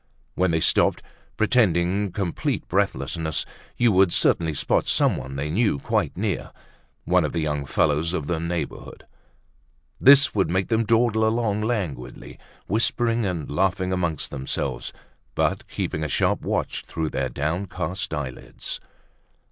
When they stopped, pretending complete breathlessness, you would certainly spot someone they knew quite near, one of the young fellows of the neighborhood. This would make them dawdle along languidly, whispering and laughing among themselves, but keeping a sharp watch through their downcast eyelids.